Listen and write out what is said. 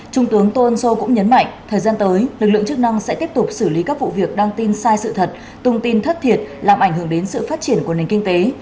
trung tướng tôn sô cũng nhấn mạnh thời gian tới lực lượng chức năng sẽ tiếp tục xử lý các vụ việc đăng tin sai sự thật tung tin thất thiệt làm ảnh hưởng đến sự phát triển của nền kinh tế